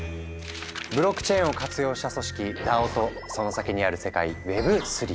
ブロックチェーンを活用した組織「ＤＡＯ」とその先にある世界「Ｗｅｂ３」。